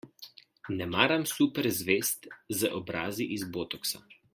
Ne maram super zvezd z obrazi iz botoksa.